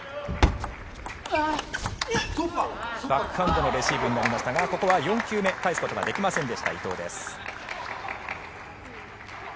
バックハンドのレシーブになりましたがここは４球目返すことができませんでした伊藤です。